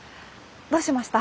どうしました？